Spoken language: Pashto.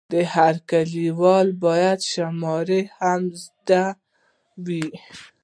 هر لیکوال باید شمېرل هم زده وای.